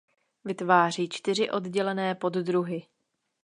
Vytváří čtyři oddělené poddruhy.